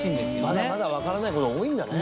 まだまだ分からないことが多いんだね